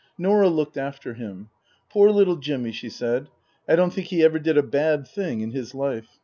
Norah looked after him. " Poor little Jimmy," she said. " I don't think he ever did a bad thing in his life."